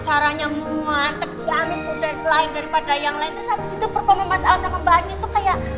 acaranya mantep sih amin mudah mudahan daripada yang lain terus habis itu performa mas al sama mbak an itu kayak